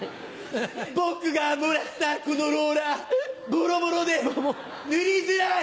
僕がもらったこのローラーボロボロで塗りづらい！